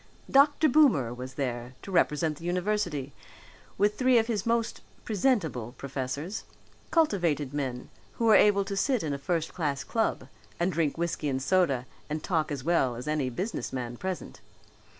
Dr. Boomer was there to represent the university with three of his most presentable professors, cultivated men who were able to sit in a first class club and drink whiskey and soda and talk as well as any businessman present.